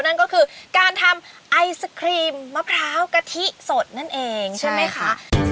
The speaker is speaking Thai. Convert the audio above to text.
นั่นก็คือการทำไอศครีมมะพร้าวกะทิสดนั่นเองใช่ไหมคะ